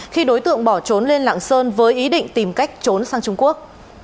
khi đối tượng bỏ trốn lên lạng sơn với ý định tìm cách trốn sang trung quốc